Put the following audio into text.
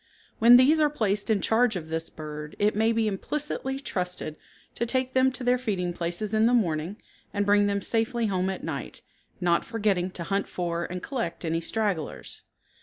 When these are placed in charge of this bird it may be implicitly trusted to take them to their feeding places in the morning and bring them safely home at night, not forgetting to hunt for and collect any stragglers.